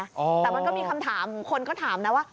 แต่มันก็มีคำถามคนก็ถามนะว่า